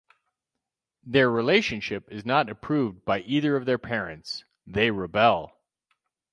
Their relationship is not approved by either of their parents; they rebel.